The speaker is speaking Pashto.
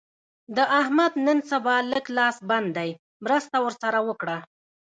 د احمد نن سبا لږ لاس بند دی؛ مرسته ور سره وکړه.